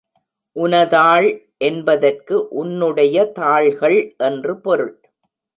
உனதாள் என்பதற்கு உன்னுடைய தாள்கள் என்று பொருள்.